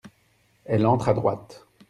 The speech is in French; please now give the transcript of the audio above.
Elle entre à droite.